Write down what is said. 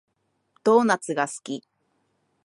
ドーナツが好き